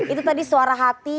itu tadi suara hati